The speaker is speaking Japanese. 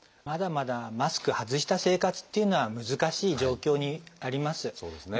まだまだマスク外した生活っていうのは難しい状況にあります。